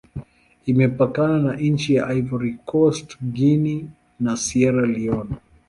Imepakana na nchi za Ivory Coast, Guinea, na Sierra Leone.